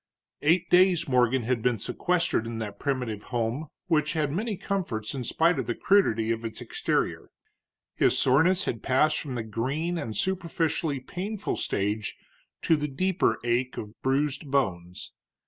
Eight days Morgan had been sequestered in that primitive home, which had many comforts in spite of the crudity of its exterior. His soreness had passed from the green and superficially painful stage to the deeper ache of bruised bones.